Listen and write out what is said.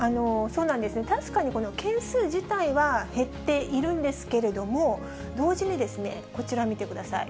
そうなんですね、確かにこの件数自体は減っているんですけれども、同時に、こちら見てください。